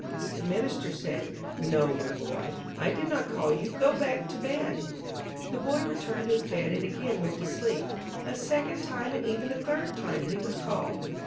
The minister said, "No, my boy, I did not call you, go back to bed." The boy returned to his bed and again went to sleep. A second time, and even a third time he was called.